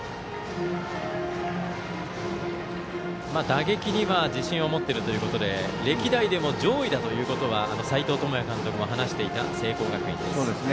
打撃には自信を持っているということで歴代でも上位だということは斎藤智也監督も話していた、聖光学院です。